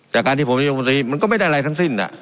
จากการที่ผมอยู่ตรงนี้มันก็ไม่ได้อะไรทั้งสิ้นอ่ะ